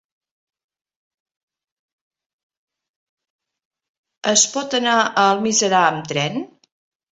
Es pot anar a Almiserà amb tren?